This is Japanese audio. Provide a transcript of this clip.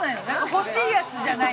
欲しいやつじゃない。